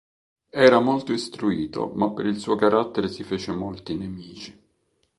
Era molto istruito ma per il suo carattere si fece molti nemici.